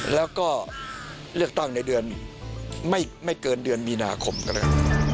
แล้วก็เลือกตั้งในเดือนไม่เกินเดือนมีนาคมก็ได้